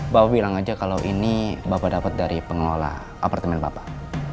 bapak bilang aja kalau ini bapak dapat dari pengelola apartemen bapak